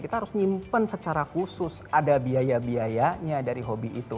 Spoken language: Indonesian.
kita harus nyimpen secara khusus ada biaya biayanya dari hobi itu